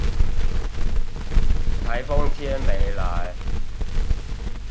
颱風天沒來